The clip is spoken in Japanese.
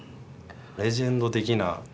レジェンド的な。